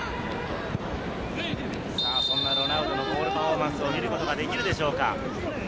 そんなロナウドのゴールパフォーマンスを見ることができるでしょうか。